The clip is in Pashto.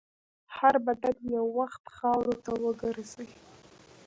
هر بدن یو وخت خاورو ته ورګرځي.